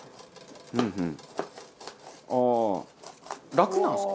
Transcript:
楽なんですか？